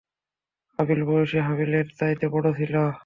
কাবীল বয়সে হাবীলের চাইতে বড় ছিল।